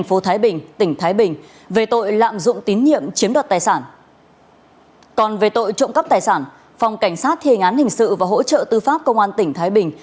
còn về tội trộm cắp tài sản phòng cảnh sát thiên án hình sự và hỗ trợ tư pháp công an tỉnh thái bình